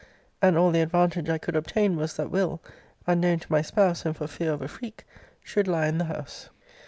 And all the advantage I could obtain was, that Will., unknown to my spouse, and for fear of a freak, should lie in the house.